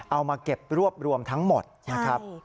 เอามาเก็บรวบรวมทั้งหมดนะครับ